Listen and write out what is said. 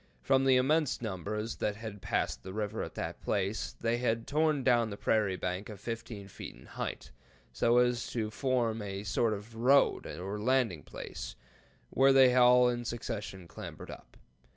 From the immense numbers that had passed the river at that place, they had torn down the prairie bank of 15 feet in height, so as to form a sort of road or landing place, where they all in succession clambered up.